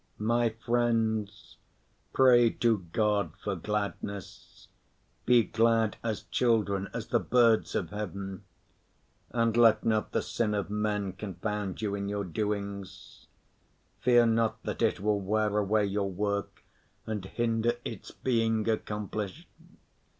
My friends, pray to God for gladness. Be glad as children, as the birds of heaven. And let not the sin of men confound you in your doings. Fear not that it will wear away your work and hinder its being accomplished.